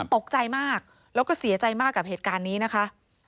ตกใจมากแล้วก็เสียใจมากกับเหตุการณ์นี้นะคะ